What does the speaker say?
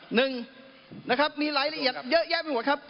หนึ่งนะครับมีรายละเอียดเยอะแยะไปหมดครับ